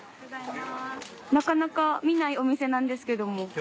なかなか見ないお店なんですけども。